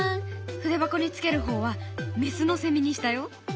筆箱につける方はメスのセミにしたよ。